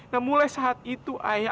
nah mulai saat itu ayah